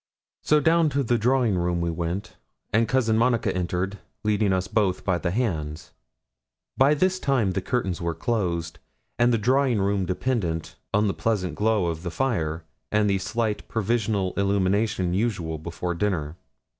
So down to the drawing room we went; and Cousin Monica entered, leading us both by the hands. By this time the curtains were closed, and the drawing room dependent on the pleasant glow of the fire, and the slight provisional illumination usual before dinner.